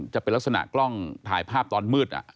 จะเป็นลักษณะกล้องถ่ายภาพตอนมืด